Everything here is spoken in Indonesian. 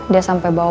dia sampai bawa